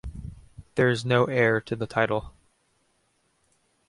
There is no heir to the title.